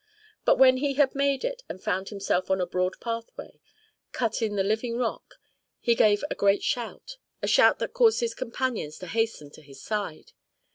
But, when he had made it, and found himself on a broad pathway, cut in the living rock, he gave a great shout a shout that caused his companions to hasten to his side.